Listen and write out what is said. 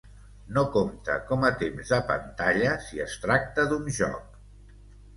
No compta com a temps de pantalla si es tracta d'un joc.